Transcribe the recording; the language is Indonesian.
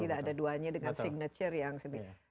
tidak ada duanya dengan signature yang sendiri